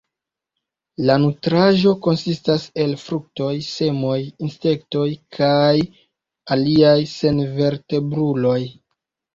La nutraĵo konsistas el fruktoj, semoj, insektoj kaj aliaj senvertebruloj.